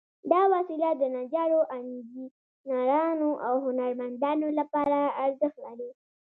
دا وسيله د نجارو، انجینرانو، او هنرمندانو لپاره هم ارزښت لري.